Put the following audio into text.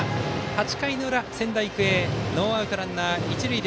８回裏、仙台育英ノーアウトランナー、一塁。